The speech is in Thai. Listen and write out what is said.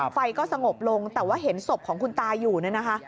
ไฟก็สงบลงแต่ว่าเห็นศพของคุณตาอยู่เนี่ยนะคะ